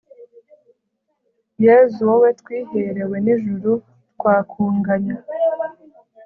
yezu, wowe twiherewe n'ijuru; twakunganya